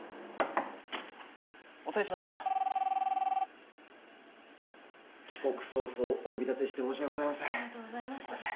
お連れしました帰国早々お呼び立てして申し訳ございません